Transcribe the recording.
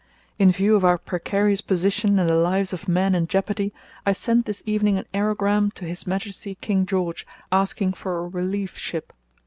In view of our precarious position and the lives of men in jeopardy, I sent this evening an aerogram to H. M. King George asking for a relief ship.